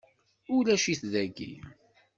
Ulac-it dagi;